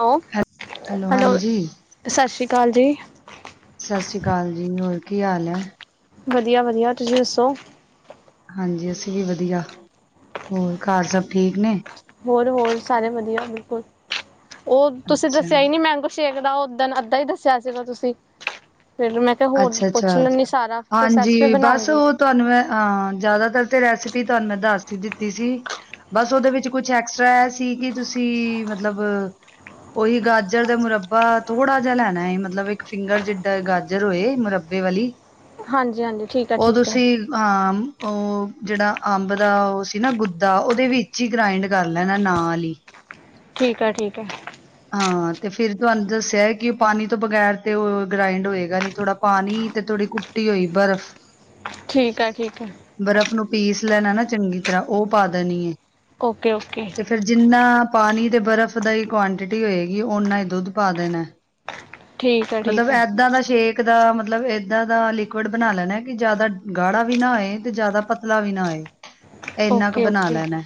Hello, ਹੈ hello ਹਾਂਜੀ ਸਸੀ ਕਾਲ ਜੀ। ਸਾਸੀ ਕਾਲ ਜੀ ਹੋਰ ਕੀ ਹਾਲ ਐ? ਵਦੀਆ-ਵਦੀਆ ਤੁਸੀਂ ਦੱਸੋ? ਹਾਂਜੀ ਅਸੀਂ ਵੀ ਵਦੀਆ ਹੋਰ ਘਰ ਸਭ ਠੀਕ ਨੇ? ਹੋਰ-ਹੋਰ ਸਾਰੇ ਵਧੀਆ ਬੇਲਕੁਲ ਓ ਤੁਸੀਂ ਅੱਛਾ ਦੱਸੇਆ ਈ ਨੀ ਮੈਂਗੋ ਅਭਸ਼ੇਕ ਦਾ ਓਦਣ ਅੱਧਾ ਈ ਦੱਸੇਆ ਸੀਗਾ ਤੁਸੀਂ, ਫੇਰ ਮੈਂ ਤੇ ਹੋਰ ਅੱਛਾ ਅੱਛਾ ਪੁੱਛ ਲੈਂਨੀਂ ਸਾਰਾ, ਪ੍ਰੋਸੈਸ ਵੀ ਬਣਾਉਂਗੀ। ਤੁਆਨੂੰ ਮੈਂ ਅਆ ਜਾਦਾਤਾਰ ਤੇ ਰੈਸੇਪੀ ਤੁਆਨੂੰ ਮੈਂ ਦੱਸ ਈ ਦਿੱਤੀ ਸੀ ਬਸ ਓਦੇ ਵਿੱਚ ਕੁਛ ਐਕਸਟਰਾ ਐ ਸੀ, ਕੀ ਤੁਸੀਂ ਮਤਲਬ ਓਈ ਗਾਜਰ ਦਾ ਮੁਰੱਬਾ ਥੋੜਾ ਜਾ ਲੈਣਾ ਐ ਮਤਲਬ ਈਕ ਫੀਂਗਰ ਜੀਡਾ ਗਾਜਰ ਨਜ਼ਰ ਹੋਏ ਮੁਰੱਬੇ ਵਾਲੀ ਹਾਂਜੀ -ਹਾਂਜੀ ਠੀਕ ਉਹ ਐ-ਠੀਕ ਐ। ਤੁਸੀਂ ਹਾਂ, ਓ ਜੇੜਾ ਅੰਬ ਦਾ ਓ ਸੀ ਨਾ ਗੁੱਦਾ, ਓਦੇ ਵਿੱਚ ਈ ਗ੍ਰਾਇੰਡ ਕਰ ਲੈਣਾ ਨਾਲ ਈ। ਠੀਕ ਐ-ਠੀਕ ਐ। ਹਾਂ ਤੇ ਫੇਰ ਤੁਆਨੂੰ ਦੱਸੇਆ ਕੀ ਓ ਪਾਣੀ ਤੋਂ ਬਗੈਰ ਤੇ ਓ ਗ੍ਰਾਇੰਡ ਹੋਏਗਾ ਨੀ ਥੋੜਾ ਪਾਣੀ ਤੇ ਥੋੜੀ ਕੁ ਟੀ ਹੋਈ ਬਰਫ਼ ਠੀਕ ਐ-ਠੀਕ ਐ। ਬਰਫ਼ ਨੂੰ ਪੀਸ ਲੈਣਾ ਨਾ ਚੰਗੀ ਤਰਾਂ, ਉਹ ਪਾ ਦੇਣੀ ਹੈ। Okay- okay. ਫੇਰ ਜਿੰਨਾ ਪਾਣੀ ਤੇ ਬਰਫ਼ ਦਾ ਹੀ ਕੁਆਂਟਿਟੀ ਹੋਏਗੀ ਓਨਾ ਹੀ ਦੁੱਧ ਪਾ ਦੇਣਾ ਐ। ਠੀਕ ਹੈ ਠੀਕ ਮਤਲਬ ਹੈ ਏਦਾਂ ਦਾ ਸ਼ੇਕ ਸ਼ੇਕ ਦਾ ਮਤਲਬ ਇਏਦਾਂ ਦਾ ਲਿਕੁਵਡ ਬਣਾ ਲੈਣਾ ਕਿ ਜ਼ਿਆਦਾ ਗਾੜਾ ਵੀ ਨਾ ਹੋਏ, ਤੇ ਜ਼ਿਆਦਾ ਪਤਲਾ ਵੀ ਨਾ ਹੋਏ। [unintelligible] ਇੰਨਾ ਕੁ ਓਕੇ ਬਣਾ ਓਕੇ ਲੈਣਾ ਐ,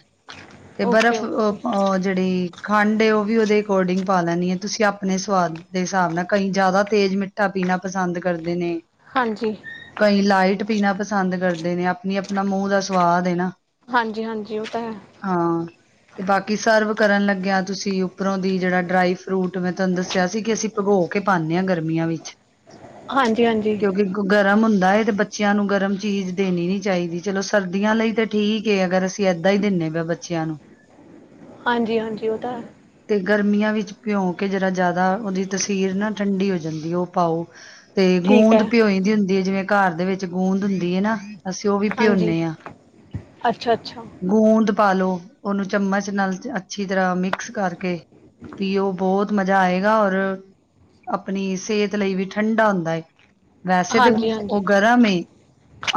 ਤੇ ਓਕੇ ਬਰਫ਼ ਓਕੇ ਅਹ ਜਿਹੜੀ ਖੰਡ ਉਹ ਵੀ ਉਹਦੇ ਅਕੋਰਡਿੰਗ ਪਾ ਲੈਣੀ ਆ, ਤੁਸੀਂ ਆਪਣੇ ਸਵਾਦ ਦੇ ਹਿਸਾਬ ਨਾਲ, ਕਈ ਜਿਆਦਾ ਤੇਜ਼ ਮਿੱਠਾ ਪੀਣਾ ਪਸੰਦ ਕਰਦੇ ਨੇ। ਹਾਂਜੀ। ਕਈ ਲਾਈਟ ਪੀਣਾ ਪਸੰਦ ਕਰਦੇ ਨੇ, ਆਪਣੀ ਆਪਣਾ ਮੂੰਹ ਦਾ ਸਵਾਦ ਹੈ ਨਾ। ਹਾਂਜੀ -ਹਾਂਜੀ ਉਹ ਤਾਂ ਹੈ। ਹਾਂ, ਤੇ ਬਾਕੀ ਸਰਵ ਕਰਨ ਲੱਗਿਆ ਤੁਸੀਂ ਉੱਪਰੋਂ ਦੀ ਜਿਹੜਾ ਡਰਾਈ ਫਰੂਟ ਮੈਂ ਤੁਹਾਨੂੰ ਦੱਸਿਆ ਸੀ, ਕਿ ਅਸੀਂ ਭਗੋ ਕੇ ਪਾਉਂਦੇ ਹਾਂ ਗਰਮੀਆਂ ਵਿੱਚ। ਹਾਂਜੀ -ਹਾਂਜੀ। ਕਿਉਂਕਿ ਗਰਮ ਹੁੰਦਾ ਹੈ, ਤੇ ਬੱਚਿਆਂ ਨੂੰ ਗਰਮ ਚੀਜ਼ ਦੇਣੀ ਨੀ ਚਾਹੀਦੀ, ਚਲੋ ਸਰਦੀਆਂ ਲਈ ਤੇ ਠੀਕ ਏ ਅਗਰ, ਅਸੀਂ ਏਦਾਂ ਹੀ ਦਿੰਦੇ ਪਏ ਹਾਂ ਬੱਚਿਆਂ ਨੂੰ। ਹਾਂਜੀ -ਹਾਂਜੀ ਉਹ ਤਾਂ ਹੈ। ਤੇ ਗਰਮੀਆਂ ਵਿੱਚ ਭਿਉਂ ਕੇ ਜਰਾ ਜ਼ਿਆਦਾ, ਉਹਦੀ ਤਸੀਰ ਨਾ ਠੰਡੀ ਹੋ ਜਾਂਦੀ ਏ, ਉਹ ਪਾਓ। ਤੇ ਠੀਕ ਹੈ ਗੂੰਦ ਭਿਉਈ ਦੀ ਹੁੰਦੀ ਹੈ, ਜਿਵੇਂ ਘਰ ਦੇ ਵਿੱਚ ਗੂੰਦ ਹੁੰਦੀ ਏਨਾ। ਅਸੀਂ ਉਹ ਵੀ ਹਾਂਜੀ ਭਿੰਓਦੇ ਹਾਂ। ਅੱਛਾ ਅੱਛਾ ਗੂੰਦ ਪਾਾਲੋ, ਉਹਨੂੰ ਚਮਚ ਨਾਲ ਅੱਛੀ ਤਰਾਂ ਮਿਕਸ ਕਰਕੇ ਪੀ ਉਹ ਬਹੁਤ ਮਜ਼ਾ ਆਏਗਾ, ਔਰ ਆਪਣੀ ਸਿਹਤ ਲਈ ਵੀ ਠੰਢਾ ਹੁੰਦਾ ਹੈ। ਵੈਸੇ ਤੇ, ਹਾਂਜੀ ਉਹ ਹਾਂਜੀ ਗਰਮ ਏ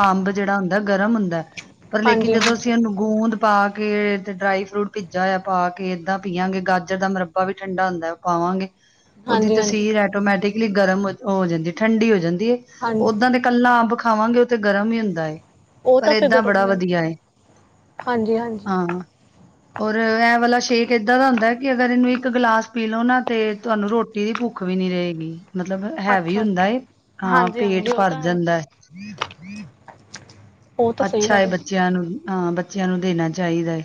ਅੰਬ ਜਿਹੜਾ ਹੁੰਦਾ ਗਰਮ ਹੁੰਦਾ। ਪਰ ਲੇਕਿਨ, ਹਾਂਜੀ ਹਾਂਜੀ ਜਦੋਂ ਅਸੀਂ ਹਾਂਜੀ ਉਹਨੂੰ ਗੂੰਦ ਪਾ ਕੇ ਤੇ ਡਰਾਈ ਫਰੂਟ ਭਿੱਜਾ ਹੋਇਆ ਪਾ ਕੇ ਏਦਾਂ ਪੀਆਂਗੇ, ੱਰ ਦਾ ਮੁਰੱਬਾ ਵੀ ਠੰਡਾ ਹੁੰਦਾ ਹੈ, ਉਹ ਪਾਵਾਂਗੇ, ਉਹਦੀ ਹਾਂਜੀ ਤਸੀਰ ਹੈ ਆਟੋਮੈਟਿਕਲੀ ਗਰਮ ਹੋ ਜਾਂਦੀ, ਠੰਡੀ ਹੋ ਜਾਂਦੀ ਹੈ, ਹਾਂਜੀ ਓਦਾਂ ਦੇ ਇਕੱਲਾ ਅੰਬ ਖਾਵਾਂਗੇ ਤੇ ਗਰਮ ਹੀ ਹੁੰਦਾ ਹੈ, ਉਹ ਪਰ ਤਾਂ ਫਿਰ ਏਦਾਂ ਬੜਾ ਗਰਮ ਹੈ ਵਧੀਆ ਏ, ਹਾਂਜੀ ਹਾਂਜੀ ਹਾਂ। ਔਰ ਐ ਵਾਲਾ ਸ਼ੇਕ ਇੱਦਾਂ ਦਾ ਹੁੰਦਾ ਕਿ ਅਗਰ ਇਹਨੂੰ ਇੱਕ ਗਲਾਸ ਪੀ ਲਓ ਨਾ, ਤੇ ਤੁਹਾਨੂੰ ਰੋਟੀ ਦੀ ਭੁੱਖ ਵੀ ਨੀ ਰਹੇਗੀ। ਮਤਲਬ ਹੈਵੀ ਅੱਛਾ ਹੁੰਦਾ ਹੈ, ਹਾਂ ਹਾਂਜੀ ਪੇਟ ਹਾਂਜੀ ਉਹ ਭਰ ਤਾਂ ਜਾਂਦਾ ਹੈ। ਉਹ ਤਾਂ ਸਹੀ ਅੱਛਾ ਹੈ ਗੱਲ ਬੱਚਿਆਂ ਨੂੰ ਹਾਂ, ਬੱਚਿਆਂ ਨੂੰ ਦੇਣਾ ਚਾਹੀਦਾ ਹੈ,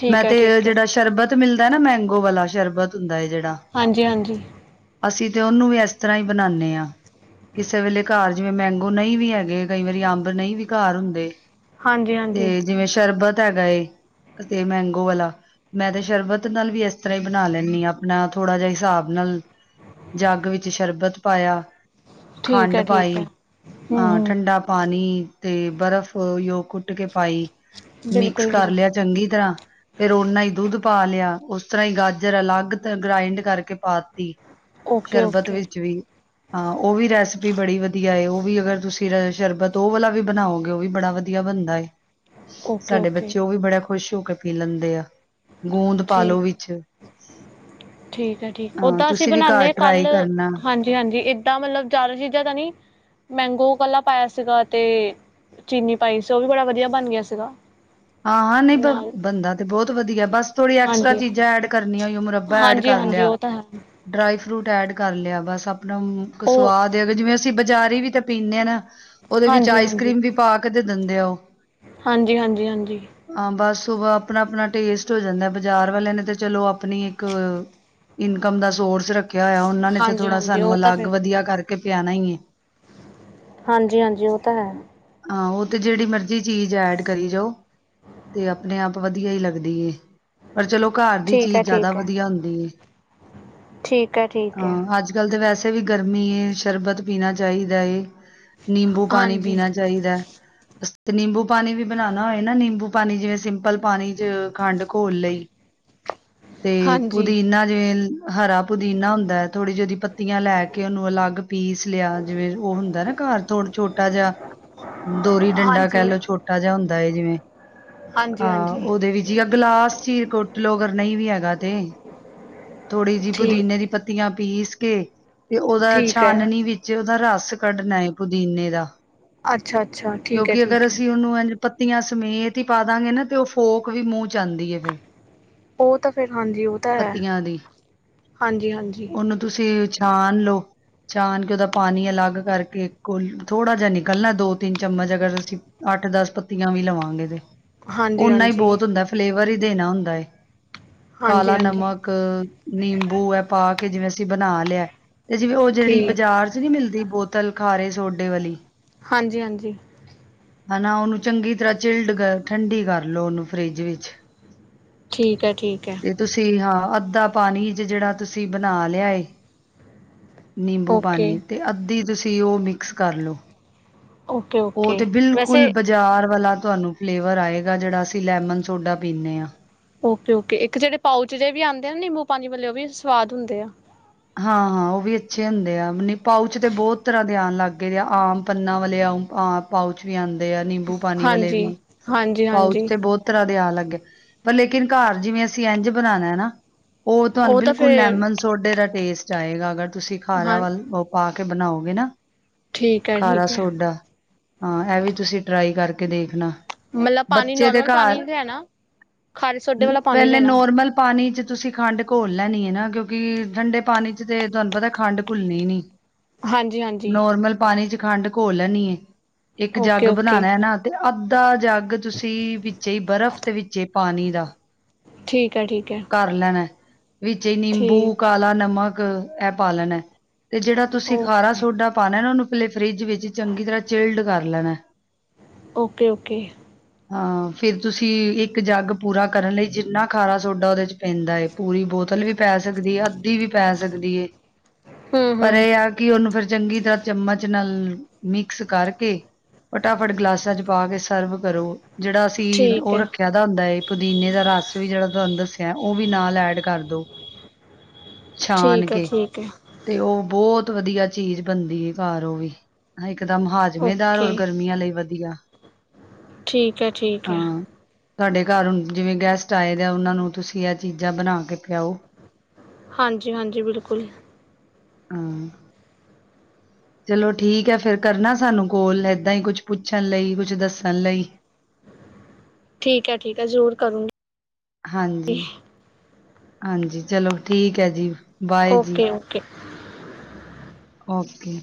ਠੀਕ ਮੈਂ ਹੈ ਤੇ ਠੀਕ ਹੈ ਜਿਹੜਾ ਸ਼ਰਬਤ ਤੇ ਮਿਲਦਾ ਨਾ, ਮੈਂਗੋ ਵਾਲਾ ਸ਼ਰਬਤ ਹੁੰਦਾ ਹੈ ਜਿਹੜਾ ਹਾਂਜੀ -ਹਾਂਜੀ। ਅਸੀਂ ਤੇ ਉਹਨੂੰ ਵੀ ਇਸ ਤਰਾਂ ਹੀ ਬਣਾਦੇ ਹਾਂ। ਕਿਸੇ ਵੇਲੇ ਘਰ ਜਿਵੇਂ ਮੈਂਗੋ ਨਹੀਂ ਵੀ ਹੈਗੇ, ਕਈ ਵਾਰੀ ਅੰਬ ਨਹੀਂ ਵੀ ਘਰ ਹੁੰਦੇ। ਹਾਂਜੀ ਹਾਂਜੀ ਤੇ ਜਿਵੇਂ ਸ਼ਰਬਤ ਹੈਗਾ ਏ, ਅਤੇ ਮੈਂਗੋ ਵਾਲਾ ਮੈਂ ਤੇ ਸ਼ਰਬਤ ਨਾਲ ਵੀ ਇਸ ਤਰਾਂ ਹੀ ਬਣਾ ਲੈਂਦੀ ਹਾਂ, ਆਪਣਾ ਥੋੜਾ ਜਿਹਾ ਹਿਸਾਬ ਨਾਲ। ਜੱਗ ਵਿੱਚ ਸ਼ਰਬਤ ਪਾਇਆ, ਠੀਕ ਖੰਡ ਹੈ ਠੀਕ ਪਾਈ ਹੈ ਹੂੰ ਆ ਹੂੰ ਠੰਡਾ ਪਾਣੀ ਤੇ ਬਰਫ਼, ਉਹੀ ਉਹ ਕੁੱਟ ਕੇ ਪਾਈ ਮਿਕਸ ਬਿਲਕੁਲ ਕਰ ਬਿਲਕੁਲ ਲਿਆ ਚੰਗੀ ਤਰਾਂ। ਫੇਰ ਉਹਨਾ ਹੀ ਦੁੱਧ ਪਾ ਲਿਆ ਉਸ ਤਰਾਂ ਹੀ ਗਾਜਰ ਅਲੱਗ ਗ੍ਰਾਇੰਡ ਕਰਕੇ ਪਾਤੀ। ਓਕੇ ਸ਼ਰਬਤ ਓਕੇ ਵਿੱਚ ਵੀ। ਹਾਂ ਉਹ ਵੀ ਰੈਸਿਪੀ ਬੜੀ ਵਧੀਆ ਐ, ਉਹ ਵੀ ਅਗਰ ਤੁਸੀਂ ਸ਼ਰਬਤ ਉਹ ਵਾਲਾ ਵੀ ਬਣਾਓਗੇ ਉਹ ਵੀ ਬੜਾ ਵਧੀਆ ਬਣਦਾ ਏ, ਓਕੇ ਸਾਡੇ ਓਕੇ ਬੱਚੇ ਉਹ ਵੀ ਬੜੇ ਖੁਸ਼ ਹੋ ਕੇ ਪੀ ਲੈਂਦੇ ਆ। ਗੂੰਦ ਪਾਲੋ ਠੀਕ ਵਿੱਚ। ਠੀਕ ਹੈ ਠੀਕ, ਹਾਂ ਓਦਾਂ ਅਸੀਂ ਤੁਸੀਂ ਵੀ ਬਣਾਂਦੇ ਘਰ ਆ, ਟਰਾਈ ਕੱਲ ਕਰਨਾ ਹਾਂਜੀ- ਹਾਂਜੀ ਏਦਾਂ ਮਤਲਬ ਜ਼ਿਆਦਾ ਚੀਜ਼ਾਂ ਤਾਂ ਨਹੀਂ ਮੈਂਗੋ ਕਲਾ ਪਾਇਆ ਸੀਗਾ ਤੇ ਚੀਨੀ ਪਾਈ ਸੀ, ਓਹ ਵੀ ਬੜਾ ਵਧੀਆ ਬਣ ਗੇਆ ਸੀਗਾ। ਹਾਂ- ਹਾਂ ਨਈ ਬ ਨਾਲ ਬੰਨਦਾ ਤੇ ਬੋਤ ਵੱਧੀਆ, ਬਸ ਥੋੜ੍ਹੀ ਐਕਸਟਰਾ ਹਾਂਜੀ ਚੀਜ਼ਾਂ ਐਡ ਕਰਨੀਆਂ ਓ ਮਤਲਬ। ਐਡ ਹਾਂਜੀ ਕਰ ਹਾਂਜੀ ਲੇਆ, ਉਹ ਤਾਂ ਹੈ ਡਰਾਈ- ਫਰੂਟ ਐਡ ਕਰ ਲੇਆ, ਬਸ ਆਪਣਾ ਉਹ ਸਵਾਦ ਜਿਵੇਂ ਅਸੀਂ ਬਜ਼ਾਰੀ ਵੀ ਤਾਂ ਪੀਂਦੇ ਹਾਂ ਨਾ, ਓਹਦੇ ਵਿੱਚ ਹਾਂਜੀ ਆਈਸ ਹਾਂਜੀ ਕਰ੍ਰੀਮ ਵੀ ਪਾ, ਕੇ, ਤੇ, ਦਿੰਦੇ ਓਹ। ਹਾਂਜੀ -ਹਾਂਜੀ- ਹਾਂਜੀ। ਹਾਂ ਬਸ ਵ ਆਪਣਾ -ਆਪਣਾ ਟੇਸਟ ਹੋ ਜਾਂਦਾ, ਬਾਜ਼ਾਰ ਵਾਲਿਆਂ ਨੇ ਤੇ ਚਲੋ ਆਪਣੀ ਇੱਕ ਇਨਕਮ ਦਾ ਸੋਰਸ ਰੱਖ ਖੇਆ ਹੋਏਆ ਓਨਾਂ ਨੇ ਤੇ ਹਾਂਜੀ ਥੋੜ੍ਹਾ ਹਾਂਜੀ ਸਾਨੂੰ ਉਹ ਤਾਂ ਅਲੱਗ ਫਿਰ ਵੱਧੀਆ ਕਰਕੇ ਪਿਆਣਾ ਈ, ਏ। ਹਾਂਜੀ -ਹਾਂਜੀ ਓ ਤਾਂ ਹੈ। ਆਹ ਉਹ ਤੇ ਜਿਹੜੀ ਮਰਜ਼ੀ ਚੀਜ਼ ਐਡ ਕਰੀ ਜਾਓ। ਤੇ ਆਪਣੇ ਆਪ ਵਧੀਆ ਈ ਲੱਗਦੀ ਏ, ਪਰ ਚਲੋ ਘਰ ਦੀ ਠੀਕ ਚੀਜ਼ ਹੈ ਜ਼ਿਆਦਾ ਠੀਕ ਹੈ ਵਧੀਆ ਹੁੰਦੀ ਏ। ਠੀਕ ਹੈ ਠੀਕ ਹੈ ਹਾਂ ਅੱਜ -ਕੱਲ੍ਹ ਤਾਂ ਵੈਸੇ ਵੀ ਗਰਮੀ ਏ, ਸ਼ਰਬਤ ਪੀਣਾ ਚਾਈਦਾ ਏ। ਨਿੰਬੂ ਪਾਣੀ ਹਾਂਜੀ -ਪੀਣਾ ਚਾਈਦਾ, ਤੇ ਨਿੰਬੂ ਪਾਣੀ ਵੀ ਬਨਾਣਾ ਹੋਏ ਹੈ ਨਾ, ਨਿੰਬੂ ਪਾਣੀ ਜਿਵੇਂ, ਸਿੰਪਲ ਪਾਣੀ ਚ, ਖੰਡ ਘੋਲ ਲਈ। ਤੇ ਹਾਂਜੀ ਪੁਦੀਨਾ ਜਿਵੇਂ, ਹਰਾ ਪੁਦੀਨਾ ਹੁੰਦਾ ਐ, ਥੋੜ੍ਹੀ ਜੇਈ ਓਦੀ ਪੱਤੀਆਂ ਲੈ ਕੇ ਓਹਨੂੰ ਅਲੱਗ ਪੀਸ ਲਿਆ, ਜਿਵੇਂ ਉਹ ਹੁੰਦਾ ਨਾ, ਘਰ ਥੋੜਾ ਛੋਟਾ ਜਿਹਾ, ਦੋਰੀ ਡੰਡਾ ਕਹਿ ਹਾਂਜੀ ਲਓ ਛੋਟ ਛੋਟਾ ਜਿਹਾ ਹੁੰਦਾ ਹੈ ਜਿਵੇਂ ਆ, ਹਾਂਜੀ ਹਾਂਜੀ ਓਹਦੇ ਵਿੱਚ ਜਾਂ ਗਲਾਸ ਚ ਕੋਟ ਲੋਓ ਅਗਰ। ਨਹੀਂ ਵੀ ਹੈਗਾ ਤੇ, ਥੋੜ੍ਹੀ ਜੇਈ ਠੀਕ ਪੁਦੀਨੇ ਦੀ ਪੱਤੀਆਂ ਪੀਸ ਕੇ ਤੇ ਓਹਦਾ, ਠੀਕ ਹੈ ਛਾਨਣੀ ਵਿੱਚ ਉਹਦਾ, ਰਸ ਕੱਢਣਾ ਏ ਪੁਦੀਨੇ ਦਾ। ਅੱਛਾ ਅੱਛਾ ਠੀਕ ਹੈ ਕਿਓਕਿ ਅਗਰ ਠੀਕ ਹੈ ਅਸੀਂ ਓਹਨੂੰ ਇੰ ਪੱਤੀਆਂ ਸਮੇਤ ਈ ਪਾਦਾਗੇ ਨਾ ਤੇ, ਓਹ ਫੋਕ ਵੀ ਮੂੰਹ ਚ ਆਂਦੀ ਆ ਫਿਰ। ਓਹ ਤਾਂ ਫਿਰ ਹਾਂਜੀ, ਓਹ ਤਾਂ ਹੈ, ਪੱਤੀਆਂ ਦੀ ਹਾਂਜੀ-ਹਾਂਜੀ। ਉਹਨੂੰ ਤੁਸੀਂ ਛਾਣ ਲਓ। ਛਾਣ ਕੇ ਏਹਦਾ ਪਾਣੀ ਅਲੱਗ ਕਰਕੇ ਕੋਲ, ਥੋੜਾ ਜਿਹਾ ਨਿਕਲਣਾ ਦੋ -ਤਿੰਨ ਚਮਚ ਅਗਰ ਅਸੀਂ ਅੱਠ -ਦਸ ਪੱਤੀਆਂ ਵੀ ਲਵਾਂਗੇ ਤੇ, ਹਾਂਜੀ ਓਨਾ ਈ ਹਾਂਜੀ ਬੋਤ ਹੁੰਦਾ ਫਲੇਵਰ ਈ ਦੇਣਾ ਹੁੰਦਾ ਏ, ਹਾਂਜੀ ਕਾਲਾ ਹਾਂਜੀ ਨਮਕ ਨੀੰਬੂ ਏ ਪਾ ਕੇ ਜਿਵੇਂ ਅਸੀਂ ਬਣਾ ਲੇਆ, ਤੇ ਜਿਵੇਂ ਓਹ ਜੇਹੜੀ ਠੀਕ ਬਾਜ਼ਾਰ ਚ ਨਈ ਮਿਲਦੀ ਬੋਤਲ ਖਾਰੇ ਸੋਡੇ ਵਾਲੀ, ਹਾਂਜੀ -ਹਾਂਜੀ ਹਨਾ, ਓਹਨੂੰ ਚੰਗੀ ਤਰ੍ਹਾਂ ਚਿਲਡ- ਠੰਡੀ ਕਰ ਲਓ ਉਹਨੂੰ ਫਰਿੱਜ ਵਿੱਚ। ਠੀਕ ਆ, ਠੀਕ ਆ। ਤੇ ਤੁਸੀਂ ਹਾਂ ਅੱਧਾ ਪਾਣੀ ਚ, ਜੇਹੜਾ ਤੁਸੀਂ ਬਣਾ ਲੇਆ ਏ, ਨੀੰਬੂ ਓਕੇ -ਪਾਣੀ ਤੇ ਅੱਧੀ ਤੁਸੀਂ ਓਹ ਮਿਕਸ ਕਰ ਲਓ। ਓਕੇ ਓਹ ਓਕੇ ਤੇ ਬਿਲਕੁਲ ਵੈਸੇ ਬ ਜਾਰ ਵਾਲਾ ਤੁਹਾਨੂੰ ਫਲੇਵਰ ਆਏਗਾ, ਜਿਹੜਾ ਅਸੀਂ ਲੈਮਨ ਸੋਡਾ ਪੀਂਦੇ ਆ। ਓਕੇ-ਓਕੇ -ਇੱਕ ਜੇਹੜੇ ਪਾਊਚ ਜੇਏ ਵੀ ਆਉਂਦੇ ਨਾ, ਨੀੰਬੂ ਪਾਣੀ ਵਾਲੇ ਓਹ ਵੀ ਸਵਾਦ ਹੁੰਦੇ ਆ। ਹਾਂ -ਹਾਂ ਓਹ ਵੀ ਅੱਛੇ ਹੁੰਦੇ ਆ, ਮਤਲਬ ਪਾਉਚ ਤੇ ਬੋਤ ਤਰ੍ਹਾਂ ਦੇ ਆਣ ਲੱਗ ਗਏ ਆ, ਆਮ ਪੰਨਾ ਵਾਲੇ ਆ, ਆ ਪਾਉਚ ਵੀ ਆਂਦੇ ਆ, ਨੀੰਬੂ ਪਾਣੀ ਵਾਲੇ ਹਾਂਜੀ ਵੀ, ਹਾਂਜੀ ਪਾਊਚ ਹਾਂਜੀ ਤੇ ਬੋਤ ਤਰ੍ਹਾਂ ਦੇ ਆਣ ਲੱਗੇ ਗਏ, ਮਤਲਬ ਕੀ ਘਾਰ ਜਿਵੇਂ ਅਸੀਂ ਏੰਝ ਬਨਾਣਾ ਹਨਾ ਓਹ ਤੁਹਾਨੂੰ ਉਹ ਤਾਂ ਬਿਲਕੁਲ ਫਿਰ ਲੈਮਨ ਸੋਡੇ ਦਾ ਟੇਸਟ ਆਏਗਾ, ਅਗਰ ਤੁਸੀਂ ਖਾਰਾ ਹਾਂ ਵਾਲ ਪਾ, ਕੇ ਬਣਾਓਗੇ ਨਾ, ਠੀਕ ਹੈ ਖਾਰਾ- ਠੀਕ ਹੈ ਸੋਡਾ ਹਾਂ, ਏ ਵੀ ਤੁਸੀਂ ਟਰਾਈ ਕਰਕੇ ਦੇਖਣਾ ਮਤਲਬ ਪਾਣੀ ਬੱਚੇ ਦੇ ਨੋਰਮਲ ਘਰ ਪਾਣੀ ਲੈਣਾ ਖਾਰੇ ਸੋਡੇ ਵਾਲਾ ਪਾਣੀ ਪੈਲੇ ਲੈਣਾ ਨੋਰਮਲ ਪਾਣੀ ਚ ਤੁਸੀਂ ਖੰਡ ਘੋਲ ਲੈਣੀ ਏ ਨਾ ਕਿਓਕਿ ਠੰਡੇ ਪਾਣੀ ਚ ਤੇ ਤੁਹਾਨੂੰ ਪਤਾ ਖੰਡ ਘੁਲਣੀ ਨਈ ਹਾਂਜੀ ਹਾਂਜੀ ਨੋਰਮਲ ਪਾਣੀ ਚ' ਖੰਡ ਘੋਲ ਲੈਣੀ ਹੈ। ਇੱਕ ਓਕੇ ਜੱਗ ਬਣਾ ਓਕੇ ਲੈਣਾ। ਤੇ ਅੱਧਾ ਜੱਗ ਤੁਸੀਂ ਵਿੱਚ ਹੀ ਬਰਫ਼ ਤੇਵਿੱਚ ਪਾਣੀ ਦਾ। ਠੀਕ ਹੈ, ਠੀਕ ਹੈ। ਕਰ ਲੈਣਾ। ਵਿੱਚ ਹੀ ਨਿੰਬੂ, ਠੀਕ ਕਾਲਾ ਨਮਕ ਇਹ ਪਾ ਲੈਣਾ। ਤੇ ਜਿਹੜਾ ਤੁਸੀਂ ਖਾਰਾ ਓਕੇ ਸੋਡਾ ਪਾਉਣਾ ਨਾ ਉਹਨੂੰ ਪਹਿਲੇ ਫਰਿੱਜ ਵਿੱਚ ਚੰਗੀ ਤਰ੍ਹਾਂ ਚਿਲਡ ਕਰ ਲੈਣਾ। Okay -okay. ਹਾਂ। ਫੇਰ ਤੁਸੀਂ ਇੱਕ ਜੱਗ ਪੂਰਾ ਕਰਨ ਲਈ ਜਿੰਨਾ ਖਾਰਾ ਸੋਡਾ ਉਹਦੇ ਚ' ਪੈਂਦਾ ਏ ਪੂਰੀ ਬੋਤਲ ਵੀ ਪੈ ਸਕਦੀ ਹੈ, ਅੱਧੀ ਵੀ ਪੈ ਸਕਦੀ ਹੈ, ਹੂੰ ਪਰ ਹੂੰ ਇਹ ਆ ਕਿ ਉਹਨੂੰ ਫਿਰ ਚੰਗੀ ਤਰ੍ਹਾਂ ਚਮਚ ਨਾਲ ਮਿਕਸ ਕਰਕੇ ਫਟਾਫਟ ਗਲਾਸਾਂ ਚ' ਪਾ ਕੇ ਸਰਵ ਕਰੋ। ਜਿਹੜਾ ਕੀ ਠੀਕ ਉਹ ਹੈ ਰੱਖਿਆ ਦਾ ਹੁੰਦਾ ਏ ਪੁਦੀਨੇ ਦਾ ਰਸ ਵੀ ਜਿਹੜਾ ਤੁਹਾਨੂੰ ਦੱਸਿਆ ਉਹ ਵੀ ਨਾਲ ਐਡ ਕਰਦੋ। ਛਾਨ ਠੀਕ ਹੈ ਕੇ। ਠੀਕ ਹੈ ਤੇ ਉਹ ਬਹੁਤ ਵਧੀਆ ਚੀਜ਼ ਬਣਦੀ ਹੈ ਘਰ ਉਹ ਵੀ। ਇੱਕਦਮ ਹਾਜ਼ਮੇਦਾਰ ਔਰ ਓਕੇ ਗਰਮੀਆਂ ਲਈ ਵਧੀਆ। ਠੀਕ ਹੈ, ਠੀਕ ਹੈ। ਹਾਂ। ਤੁਹਾਡੇ ਘਰ ਜਿਵੇਂ ਗੈਸਟ ਆਏ ਆ ਉਹਨਾਂ ਨੂੰ ਤੁਸੀਂ ਆਹ ਚੀਜ਼ਾਂ ਬਣਾ ਕੇ ਪਿਆਓ। ਹਾਂਜੀ -ਹਾਂਜੀ। ਬਿਲਕੁਲ ਹਾਂ ਚਲੋ ਠੀਕ ਹੈ ਫੇਰ ਕਰਨਾ ਸਾਨੂੰ ਕੋਲ ਏਦਾਂ ਹੀ ਕੁਛ ਪੁੱਛਣ ਲਈ, ਕੁਛ ਦੱਸਣ ਲਈ। ਠੀਕ ਹੈ, ਠੀਕ ਹੈ ਜ਼ਰੂਰ ਕਰੂਗੀ। ਹਾਂਜੀ -ਹਾਂਜੀ। ਚਲੋ ਠੀਕ ਹੈ ਜੀ। ਬਾਏ ਜੀ ਓਕੇ- ਓਕੇ। ਓਕੇ।